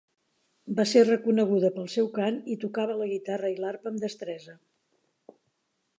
Va ser reconeguda pel seu cant i tocava la guitarra i l'arpa amb destresa.